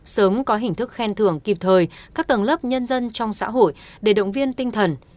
sớm có hình thức khen thưởng kịp thời các tầng lớp nhân dân trong xã hội để động viên tinh thần